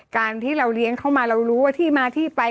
การที่เราเลี้ยงเข้ามาเรารู้ว่าที่มาที่ไป